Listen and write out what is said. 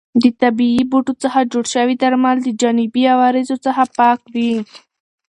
د طبیعي بوټو څخه جوړ شوي درمل د جانبي عوارضو څخه پاک وي.